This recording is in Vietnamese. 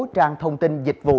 trang thông tin dịch vụ